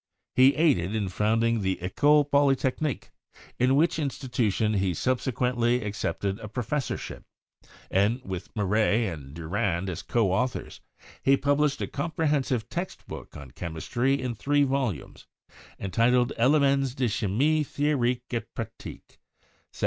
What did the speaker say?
He aided in founding the "Ecole Polytechnique," in which institution he sub sequently accepted a professorship, and with Maret and Durande as co authors, he published a comprehensive text book on chemistry in three volumes, entitled "Elemens de Chymie theorique et pratique" (1777).